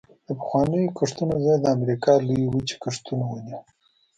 د پخوانیو کښتونو ځای د امریکا لویې وچې کښتونو ونیو